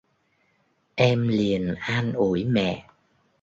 em liền an ủi mẹ